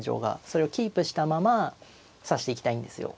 それをキープしたまま指していきたいんですよ。